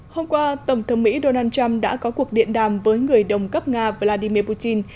hôm qua tổng thống mỹ donald trump đã có cuộc điện đàm với người đồng cấp nga vladimir putin